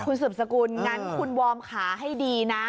คุณสืบสกุลงั้นคุณวอร์มขาให้ดีนะ